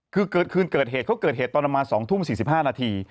คือเกิดคืนเกิดเหตุเขาเกิดเหตุตอนประมาณสองทุ่มสี่สิบห้านาที